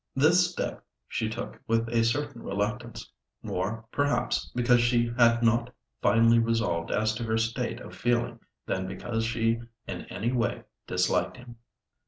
This step she took with a certain reluctance—more perhaps, because she had not finally resolved as to her state of feeling than because she in any way disliked him.